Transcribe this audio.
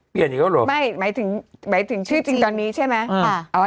อีกแล้วเหรอไม่หมายถึงหมายถึงชื่อจริงตอนนี้ใช่ไหม